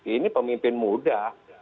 ini pemimpin muda